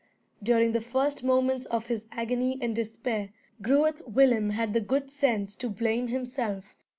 During the first moments of his agony and despair Groot Willem had the good sense to blame himself.